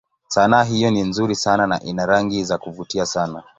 Sanaa hiyo ni nzuri sana na ina rangi za kuvutia sana.